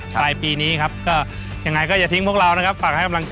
ถ้าหาขึนมาก็ใช้ระยะเวลาประมาณ